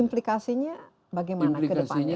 implikasinya bagaimana ke depannya